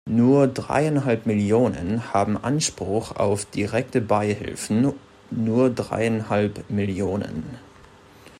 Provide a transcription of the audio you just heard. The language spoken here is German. Nur dreieinhalb Millionen haben Anspruch auf direkte Beihilfen nur dreieinhalb Millionen.